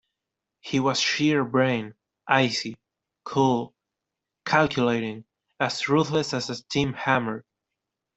He was sheer brain, icy, cool, calculating, as ruthless as a steam hammer.